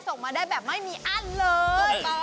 ส่งมาได้แบบไม่มีอั้นเลย